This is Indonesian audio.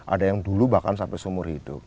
ada yang dulu bahkan sampai seumur hidup